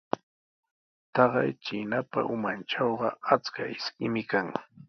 Taqay chiinapa umantrawqa achka ishkimi kan.